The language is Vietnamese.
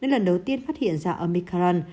lần đầu tiên phát hiện ra omicron